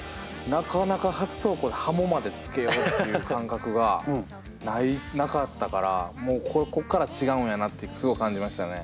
なかなか初投稿でハモまでつけようっていう感覚がなかったからこっから違うんやなってすごく感じましたね。